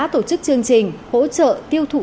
tổ chức chương trình hỗ trợ tiêu thụ